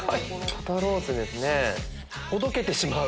肩ロースですねほどけてしまう。